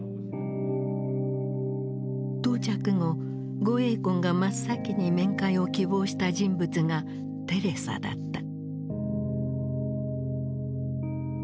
到着後呉栄根が真っ先に面会を希望した人物がテレサだった。